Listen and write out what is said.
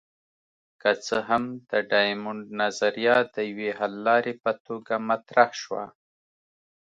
که څه هم د ډایمونډ نظریه د یوې حللارې په توګه مطرح شوه.